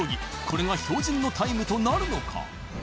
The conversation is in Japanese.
これが標準のタイムとなるのか？